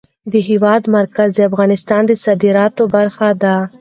د هېواد مرکز د افغانستان د صادراتو برخه ده.